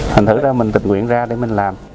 thành thử ra mình tịch nguyện ra để mình làm